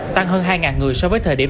tăng hơn hai người so với thời điểm